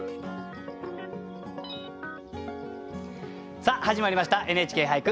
さあ始まりました「ＮＨＫ俳句」。